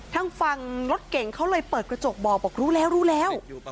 ทางฝั่งรถเก่งเขาเลยเปิดกระจกบอกบอกรู้แล้วรู้แล้ว